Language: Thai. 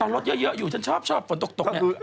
รถเยอะอยู่ฉันชอบฝนตกเนี่ย